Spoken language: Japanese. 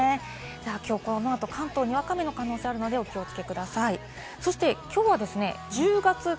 きょう、このあと関東はにわか雨の可能性あるのでお気をつけください。